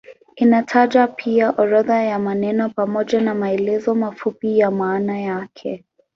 Inataja pia orodha ya maneno pamoja na maelezo mafupi ya maana yake.